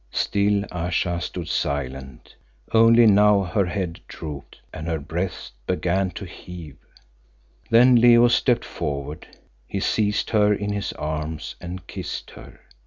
Still Ayesha stood silent, only now her head drooped and her breast began to heave. Then Leo stepped forward; he seized her in his arms and kissed her.